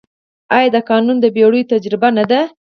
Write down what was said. آیا دا قانون د پېړیو تجربه نه ده؟